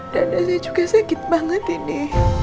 dan saya juga sakit banget ini